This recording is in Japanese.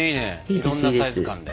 いろんなサイズ感で。